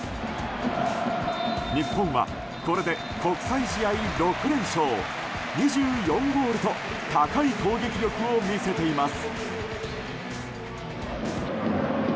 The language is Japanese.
日本はこれで国際試合６連勝２４ゴールと高い攻撃力を見せています。